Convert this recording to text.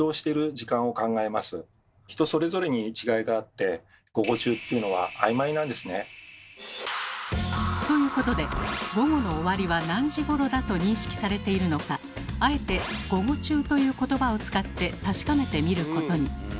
人それぞれに違いがあってということで午後の終わりは何時ごろだと認識されているのかあえて「午後中」という言葉を使って確かめてみることに。